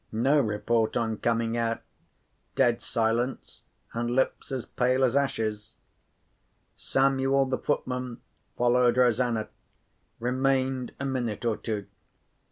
No report on coming out—dead silence, and lips as pale as ashes. Samuel, the footman, followed Rosanna. Remained a minute or two.